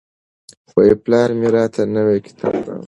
پلار مې راته نوی کتاب راوړ.